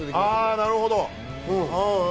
なるほど。